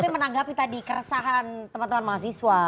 itu maksudnya menanggapi tadi keresahan teman teman mahasiswa